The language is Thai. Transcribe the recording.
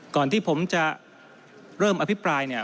ก่อนที่ผมจะเริ่มอภิปรายเนี่ย